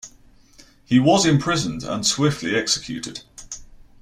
He was imprisoned and swiftly executed.